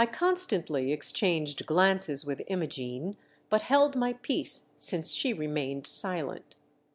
I constantly exchanged glances with I mo gene, but held my peace since she remained silent.